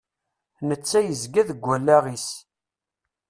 Netta yezga deg wallaɣ-is.